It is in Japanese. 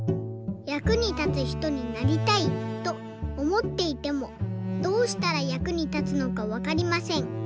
「役に立つひとになりたいとおもっていてもどうしたら役に立つのかわかりません。